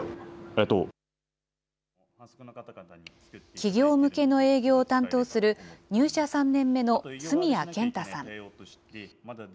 企業向けの営業を担当する、入社３年目の住谷健太さん。